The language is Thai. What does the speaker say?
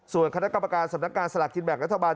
ส่วนคณะกรรมการสำนักการณ์สลากดิจิทัลแบบรัฐบาล